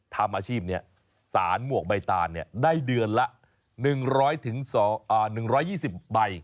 ทำอาชีพนี้สารหมวกใบตาลได้เดือนละ๑๐๐๑๒๐ใบ